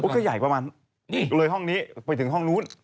ก็ใหญ่ประมาณเลยห้องนี้ไปถึงห้องนู้น